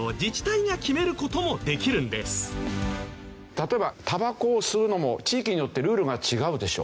例えばたばこを吸うのも地域によってルールが違うでしょ。